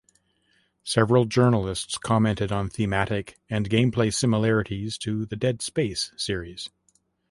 Several journalists commented on thematic and gameplay similarities to the "Dead Space" series.